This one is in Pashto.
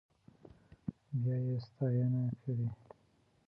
بيا يې ستاينه کړې.